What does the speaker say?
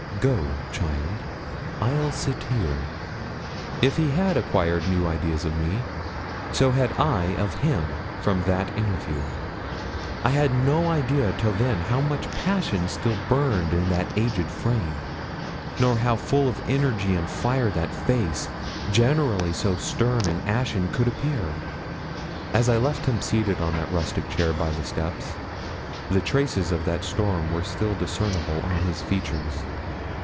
Go, child I'll sit here.' If he had acquired new ideas of me, so had I of him from that interview. I had no idea till then how much passion still burned in that aged frame, nor how full of energy and fire that face, generally so stern and ashen, could appear. As I left him seated on the rustic chair, by the steps, the traces of that storm were still discernible on his features.